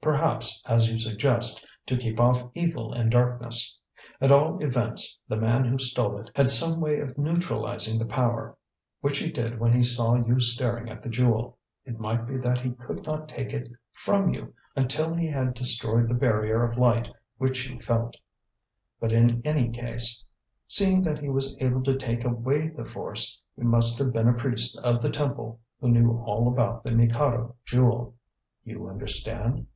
Perhaps, as you suggest, to keep off evil and darkness. At all events, the man who stole it had some way of neutralizing the power, which he did when he saw you staring at the jewel. It might be that he could not take it from you until he had destroyed the barrier of light which you felt. But in any case, seeing that he was able to take away the force, he must have been a priest of the Temple, who knew all about the Mikado Jewel. You understand."